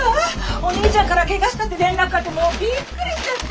お兄ちゃんからけがしたって連絡あってもうびっくりしちゃって！